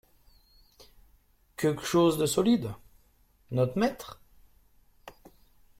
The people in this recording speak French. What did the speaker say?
Queuque chose de solide, not'maître ?